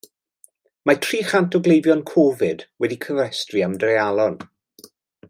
Mae tri chant o gleifion Covid wedi cofrestru am dreialon.